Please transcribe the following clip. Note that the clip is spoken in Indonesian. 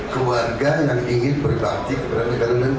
keluarga yang ingin berbakti kepada negara dan bangsa